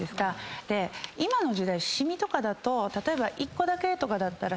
今の時代シミとかだと例えば１個だけとかだったら。